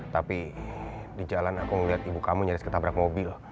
tapi di jalan aku ngeliat ibu kamu nyaris ketabrak mobil